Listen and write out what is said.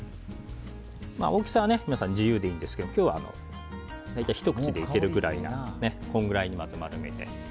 大きさは皆さん自由でいいんですけど今日は大体ひと口でいけるくらいこのぐらいに丸めて。